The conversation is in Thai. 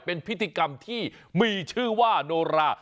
เป็นพิธีกรรมที่มีชื่อว่าโนรา